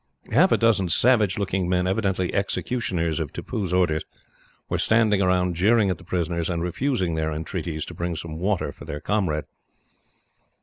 Half a dozen savage looking men, evidently executioners of Tippoo's orders, were standing round, jeering at the prisoners and refusing their entreaties to bring some water for their comrade.